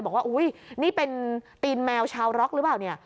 ระบบว่าอุ๊ยนี่เป็นตีนแมวชาวร็อก่อนหรือเปล่า